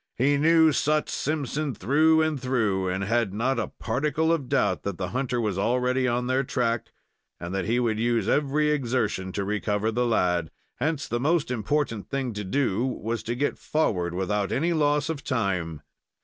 He knew Sut Simpson through and through, and had not a particle of doubt that the hunter was already on their track, and that he would use every exertion to recover the lad. Hence the most important thing to do was to get forward without any loss of time.